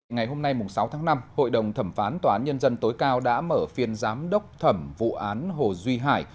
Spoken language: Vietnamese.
ngày hôm nay sáu tháng năm hội đồng thẩm phán tòa án nhân dân tối cao đã mở phiên giám đốc thẩm vụ án hồ duy hải